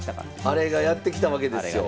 アレがやって来たわけですよ。